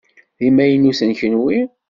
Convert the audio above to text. D imaynuten kunwi?